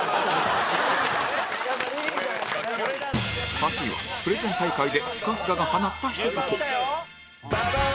８位は、プレゼン大会で春日が放ったひと言ババン！